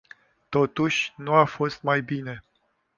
Totuși, nu a fost mai bine.